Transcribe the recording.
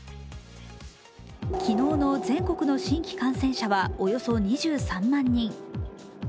昨日の全国の新規感染者はおよそ２３万人。